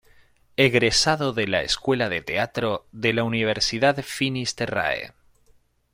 Egresado de la Escuela de Teatro de la Universidad Finis Terrae.